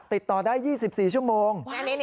ติดต่อได้๒๔ชั่วโมง